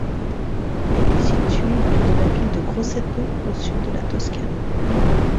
Elle est située près de la ville de Grosseto au sud de la Toscane.